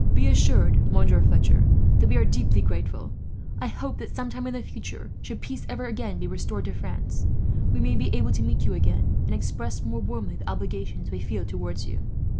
"Be assured, Monsieur Fletcher, that we are deeply grateful. I hope that some time in the future, should peace ever again be restored to France, we may be able to meet you again, and express more warmly the obligations we feel towards you."